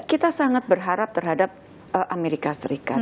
kita sangat berharap terhadap amerika serikat